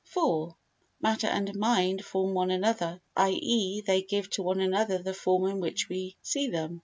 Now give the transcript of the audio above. iv Matter and mind form one another, i.e. they give to one another the form in which we see them.